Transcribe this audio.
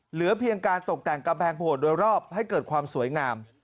เหลือเพียงการตกแต่งกำแพงโผดโดยรอบให้เกิดความสวยงาม